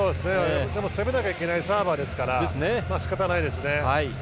でも、攻めなきゃいけないサーバーですから仕方ないですね。